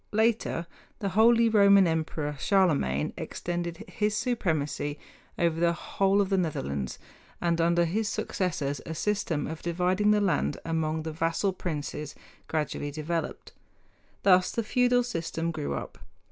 Later the Holy Roman Emperor Charlemagne extended his supremacy over the whole of the Netherlands, and under his successors a system of dividing the land among the vassal princes gradually developed. Thus the feudal system grew up.